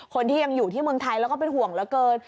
คนที่ยังอยู่ที่เมืองไทยแล้วก็เป็นห่วงเหลือเกิน